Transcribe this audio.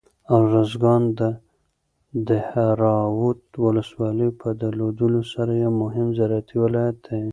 ارزګان د دهراود ولسوالۍ په درلودلو سره یو مهم زراعتي ولایت دی.